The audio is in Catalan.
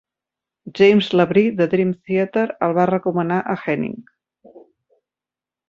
James LaBrie, de Dream Theater, el va recomanar a Henning.